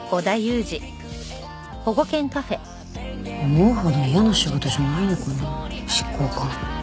思うほど嫌な仕事じゃないのかな執行官。